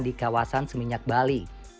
di kawasan seminyak bali